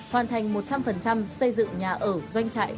hoàn thành một trăm linh xây dựng nhà ở doanh trại